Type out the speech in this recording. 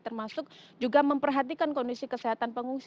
termasuk juga memperhatikan kondisi kesehatan pengungsi